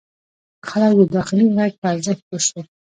خلک د داخلي غږ په ارزښت پوه شول.